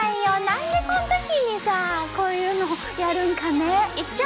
何でこん時にさこういうのをやるんかね。